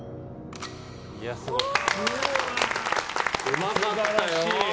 うまかったよ。